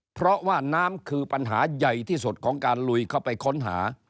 เพราะว่าน้ำคือปัญหาใหญ่ที่สุดของการลุยเข้าไปค้นหา